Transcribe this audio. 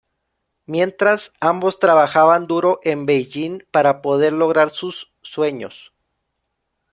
Mientras, ambos trabajaban duro en Beijing para poder lograr sus sueños.